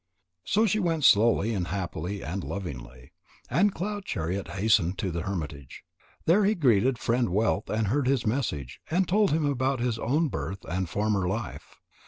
So she went slowly and happily and lovingly. And Cloud chariot hastened to the hermitage. There he greeted Friend wealth and heard his message, and told him about his own birth and former life.